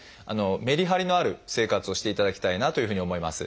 めりはりのある生活をしていただきたいなというふうに思います。